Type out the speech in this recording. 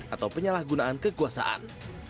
atau penyalahgunaan kekuasaan